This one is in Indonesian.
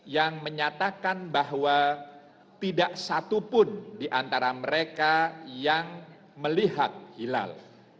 yang menyatakan bahwa tidak satu pun diantara mereka yang melihat hilal